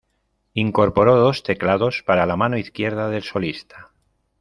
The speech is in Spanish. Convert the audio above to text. Incorporó dos teclados para la mano izquierda del solista.